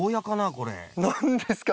これ何ですか？